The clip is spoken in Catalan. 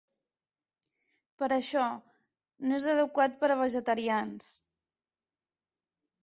Per això, no és adequat per a vegetarians.